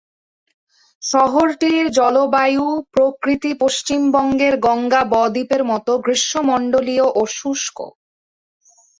শহরটির জলবায়ু প্রকৃতি পশ্চিমবঙ্গের গঙ্গা বদ্বীপের মত গ্রীষ্মমন্ডলীয় ও শুষ্ক।